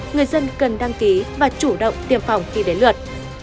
người dân cần đăng ký và chủ động tiêm phòng khi đến luật